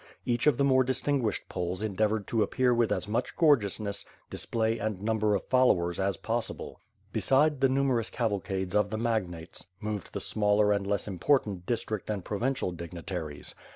Each of the more distinguished Poles endeavored to appear with as much gorgeousness, display, and number of followers as possible. Beside the numerous cavalcades of the magnates, moved the smaller and less important district and provincial dignitaries.